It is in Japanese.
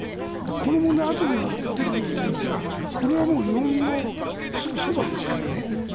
この問題、あとでも出てくると思うんですがこれは日本のすぐそばですからね。